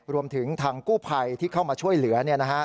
รวมถึงทางกู้ภัยที่เข้ามาช่วยเหลือ